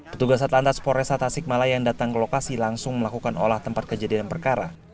petugas atlantas poresa tasikmalaya yang datang ke lokasi langsung melakukan olah tempat kejadian perkara